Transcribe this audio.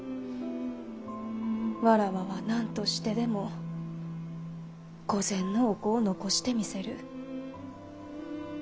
妾は何としてでも御前のお子を残してみせる。